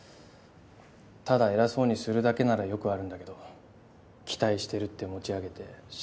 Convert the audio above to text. ただ偉そうにするだけならよくあるんだけど期待してるって持ち上げて仕事を任せて。